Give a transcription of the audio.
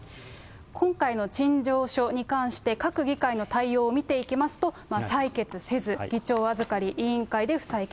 今回の陳情書に関して、各議会の対応を見ていきますと、採決せず、議長預かり、委員会で不採択。